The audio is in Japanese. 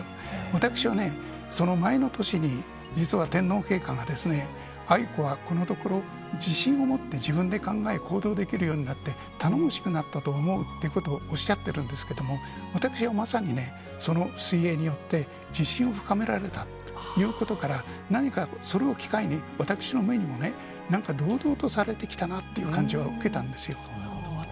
私はね、その前の年に、実は、天皇陛下が愛子はこのところ、自信を持って自分で考え、行動できるようになって、頼もしくなったと思うということをおっしゃってるんですけれども、私はまさにね、その水泳によって、自信を深められたということから、何かそれを機会に、私の目にも、なんか堂々とされてきたなという感じは受けたんです